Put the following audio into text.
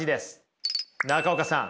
中岡さん。